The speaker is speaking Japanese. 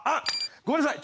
ごめんなさい